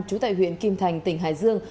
trú tại huyện kim thành tỉnh hải dương